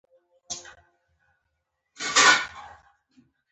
ګولي دروغ ويلي زه به د منګلي سره ګورم.